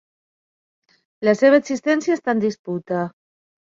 La seva existència està en disputa.